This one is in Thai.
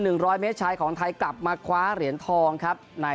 ร้อยเมตรชายของไทยกลับมาคว้าเหรียญทองครับใน